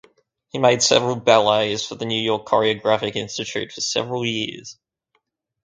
He made several ballets for the New York Choreographic Institute for several years.